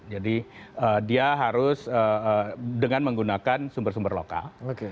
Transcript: jadi dia harus dengan menggunakan sumber sumber lokal